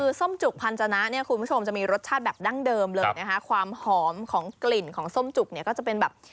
คือส้มจุกพันธนะเนี่ยคุณผู้ชมจะมีรสชาติแบบดั้งเดิมเลยนะคะความหอมของกลิ่นของส้มจุกเนี่ยก็จะเป็นแบบ